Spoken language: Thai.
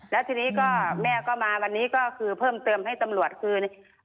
แล้วทีนี้ก็แม่ก็มาวันนี้ก็คือเพิ่มเติมให้ตำรวจคือ